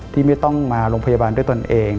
ที่ไม่ต้องมาโรงพยาบาลด้วยตนเอง